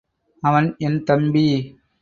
அவன் என் தம்பி.